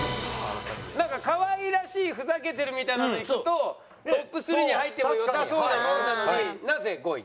なんか「かわいらしい」「ふざけてる」みたいなのでいくとトップ３に入ってもよさそうなもんなのになぜ５位？